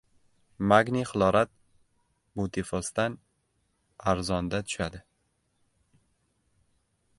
Magniy xlorat butifosdan arzon-da tushadi.